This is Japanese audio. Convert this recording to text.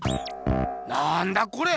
なんだこれ！